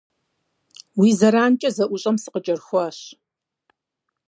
Уи зэранкӏэ зэӀущӀэм сыкъыкӀэрыхуащ.